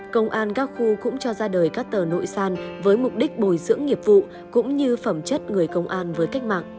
công an các khu cũng cho ra đời các tờ nội son với mục đích bồi dưỡng nghiệp vụ cũng như phẩm chất người công an với cách mạng